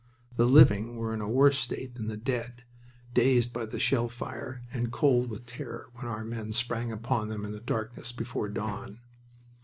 The living were in a worse state than the dead, dazed by the shell fire, and cold with terror when our men sprang upon them in the darkness before dawn.